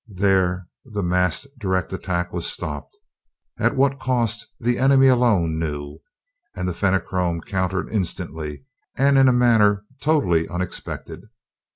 There the massed direct attack was stopped at what cost the enemy alone knew and the Fenachrone countered instantly and in a manner totally unexpected.